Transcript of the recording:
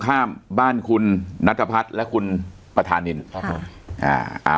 ข้ามบ้านคุณณัจพรรดิและคุณประธานิดพอค่ะอ่าเอา